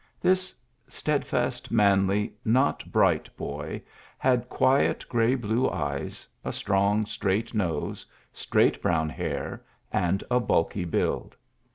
This steadfast, manly bright boy had quiet grey blue e strong, straight nose, straight 1 hair, and a bulky buUd.